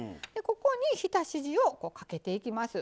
ここに浸し地をかけていきます。